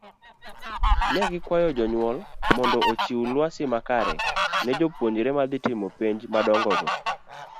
Negikwayo jonyuol mondo ochiw lwasi makare ne jo puonjre madhii timo penj madongo go.